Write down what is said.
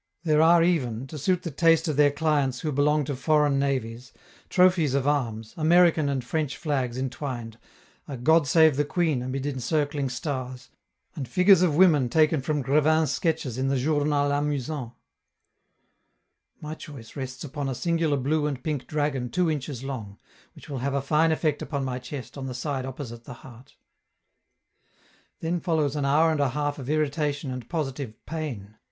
There are even, to suit the taste of their clients who belong to foreign navies, trophies of arms, American and French flags entwined, a "God Save the Queen" amid encircling stars, and figures of women taken from Grevin's sketches in the Journal Amusant. My choice rests upon a singular blue and pink dragon two inches long, which will have a fine effect upon my chest on the side opposite the heart. Then follows an hour and a half of irritation and positive pain.